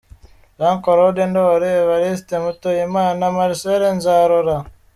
Jean Claude Ndoli, Evaristse Mutuyimana, Marcel Nzarora.